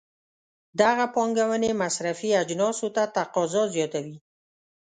دغه پانګونې مصرفي اجناسو ته تقاضا زیاتوي.